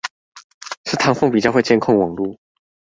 是唐鳳比較會監控網路